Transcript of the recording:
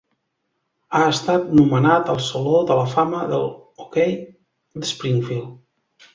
Ha estat nomenat al saló de la fama del hoquei d'Springfield.